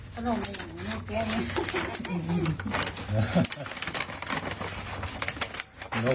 ข้ามใจสิ